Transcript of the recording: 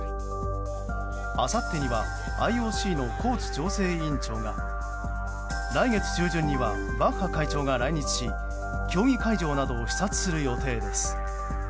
あさってにはＩＯＣのコーツ調整委員長が来月中旬にはバッハ会長が来日し競技会場などを視察する予定です。